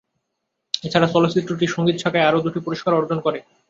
এছাড়া চলচ্চিত্রটি সঙ্গীত শাখায় আরও দুটি পুরস্কার অর্জন করে।